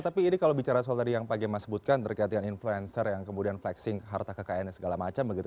tapi ini kalau bicara soal tadi yang pak gemma sebutkan terkait dengan influencer yang kemudian flexing harta kekayaannya segala macam begitu